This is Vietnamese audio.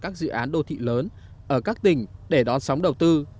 các dự án đô thị lớn ở các tỉnh để đón sóng đầu tư